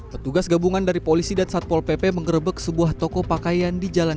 petugas gabungan dari polisi dan satpol pp mengerebek sebuah toko pakaian di jalan